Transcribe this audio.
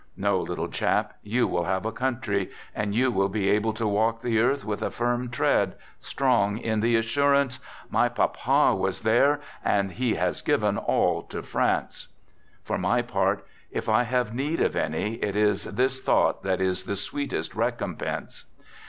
" No, little chap, you will have a country, and you will be able to walk the earth with a firm tread, strong in the assurance :" My papa was there, and he has given all to France." For my part, if I have need of any, it is this thought that is the sweetest recompense.